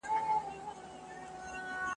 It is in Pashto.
نو پوهېږم چي غویی دی درېدلی!.